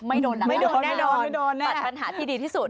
ไม่โดนลำบัดไอบัตรปัญหาที่ดีที่สุด